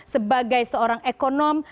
sebagai seorang ekonom